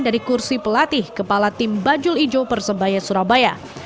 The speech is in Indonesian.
dari kursi pelatih kepala tim bajul ijo persebaya surabaya